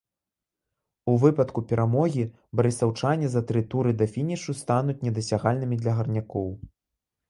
У выпадку перамогі барысаўчане за тры туры да фінішу стануць недасягальнымі для гарнякоў.